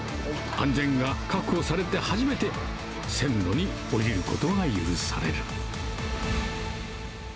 安全が確保されて初めて、線路に降りることが許される。